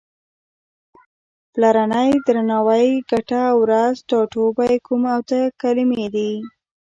پلرنی، درناوی، ګټه، ورځ، ټاټوبی، کوم او ته کلمې دي.